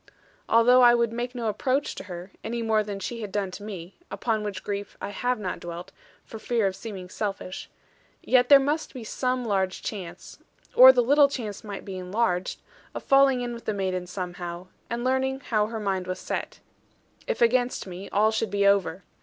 Although I would make no approach to her, any more than she had done to me (upon which grief I have not dwelt, for fear of seeming selfish), yet there must be some large chance, or the little chance might be enlarged, of falling in with the maiden somehow, and learning how her mind was set. If against me, all should be over.